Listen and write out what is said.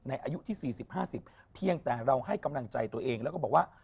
อายุที่๔๐๕๐เพียงแต่เราให้กำลังใจตัวเองแล้วก็บอกว่า